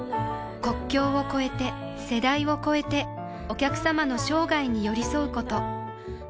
国境を超えて世代を超えてお客様の生涯に寄り添うこと